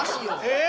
え？